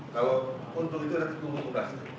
kalau untuk itu nanti tunggu mutas